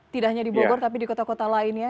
tidak hanya di bogor tapi di kota kota lainnya